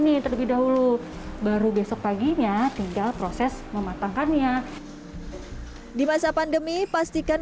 nih terlebih dahulu baru besok paginya tinggal proses mematangkannya di masa pandemi pastikan